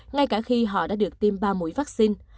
ngay cả khi họ đã được tiêm ba mũi vắc xin